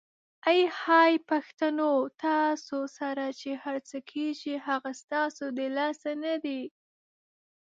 آی های پښتنو ! تاسو سره چې هرڅه کیږي هغه ستاسو د لاسه ندي؟!